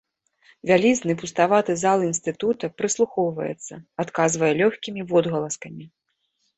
Вялізны пуставаты зал інстытута прыслухоўваецца, адказвае лёгкімі водгаласкамі.